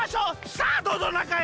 さあどうぞなかへ！